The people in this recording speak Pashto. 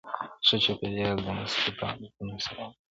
ښه چاپېریال د مثبتو عادتونو سبب کېږي.